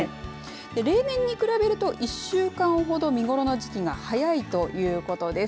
例年に比べると１週間ほど見頃の時期が早いということです。